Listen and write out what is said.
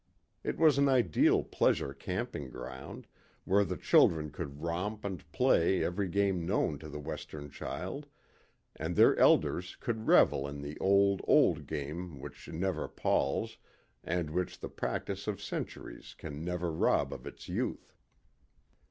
It was an ideal pleasure camping ground, where the children could romp and play every game known to the Western child, and their elders could revel in the old, old game which never palls, and which the practice of centuries can never rob of its youth.